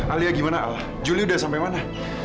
alia gimana al juli udah sampai mana